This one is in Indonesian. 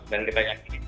dan kita yakin